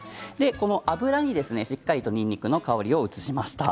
この油にしっかりとにんにくの香りを移しました。